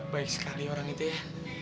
baik sekali orang itu ya